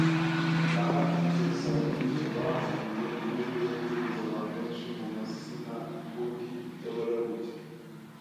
Aha i Tesalonike bahagiriye amahirwe yo kubwiriza abantu benshi mu masinagogi y’Abayahudi.